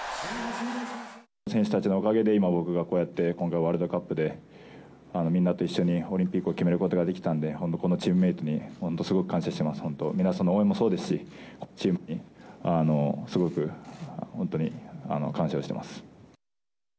選手たちのおかげで、今、僕がこうやって、今回ワールドカップで、みんなと一緒にオリンピックを決めることができたんで、このチームメートに本当、すごく感謝してます、本当、皆さんの応援もそうですし、チームに、すごく、本当に感謝をしてます。